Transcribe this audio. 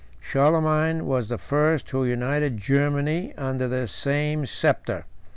110 IV. Charlemagne was the first who united Germany under the same sceptre.